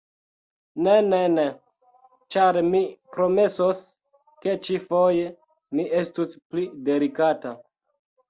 Ne, ne, ne, ĉar mi promesos, ke ĉi-foje mi estus pli delikata